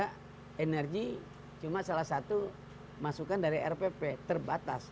karena energi cuma salah satu masukan dari rpp terbatas